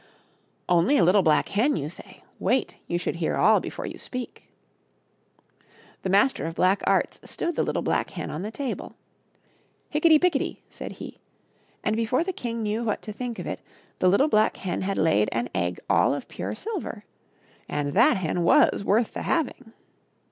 " Only a little black hen !" you say ? Wait ; you should hear all before you speak I The Master of Black Arts stood the little black hen on the table. "Hickety pickety!" said he, and before the king knew what to think of it the little black hen had laid an egg all of pure silver. And that hen was worth the having.